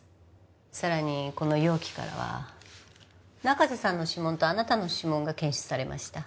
更にこの容器からは中瀬さんの指紋とあなたの指紋が検出されました。